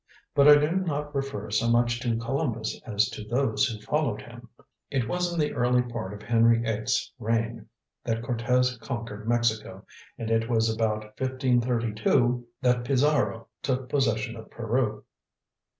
But I do not refer so much to Columbus as to those who followed him. It was in the early part of Henry VIII.'s reign that Cortes conquered Mexico, and it was about 1532 that Pizarro took possession of Peru."